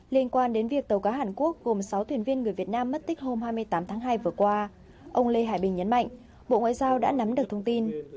liên quan đến việc tàu cá hàn quốc gồm sáu thuyền viên người việt nam mất tích hôm hai mươi tám tháng hai vừa qua ông lê hải bình nhấn mạnh bộ ngoại giao đã nắm được thông tin